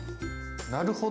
なるほど。